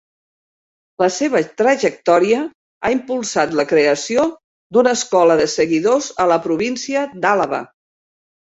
La seva trajectòria ha impulsat la creació d'una escola de seguidors a la província d'Àlaba.